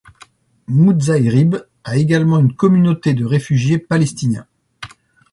Muzayrib a également une communauté de réfugiés palestiniens.